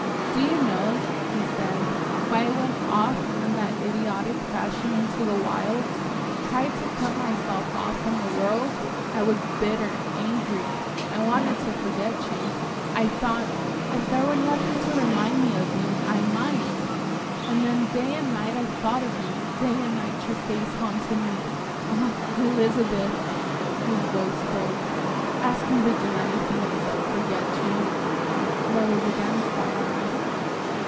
"Do you know," he said, "why I went off in that idiotic fashion into the wilds, tried to cut myself off from the world? I was bitter, angry I wanted to forget you; I thought, if there were nothing to remind me of you, I might. And then day and night I thought of you, day and night your face haunted me.... Ah, Elizabeth" his voice broke "ask me to do anything except forget you." There was again silence.